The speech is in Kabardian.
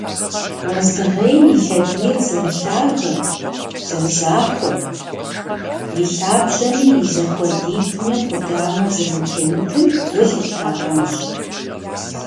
Уэздыгъейм и лъэдийр зэрылъагэм, зэрызахуэм, и лъабжьэми и зэхуэдитӀми къудамэ зэрытемытым гу лъыптагъэнщ.